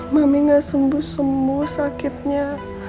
mami nggak sembuh sembuh sakitnya